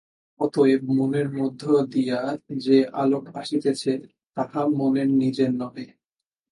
অতএব মনের মধ্য দিয়া যে আলোক আসিতেছে, তাহা মনের নিজের নহে।